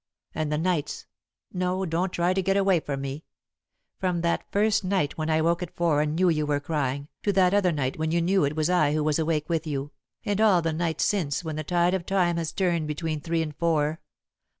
And the nights no, don't try to get away from me from that first night when I woke at four and knew you were crying, to that other night when you knew it was I who was awake with you, and all the nights since when the tide of time has turned between three and four!